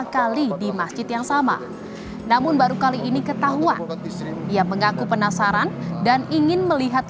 kali di masjid yang sama namun baru kali ini ketahuan ia mengaku penasaran dan ingin melihat